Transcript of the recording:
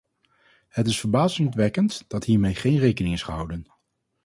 Het is verbazingwekkend dat hiermee geen rekening is gehouden.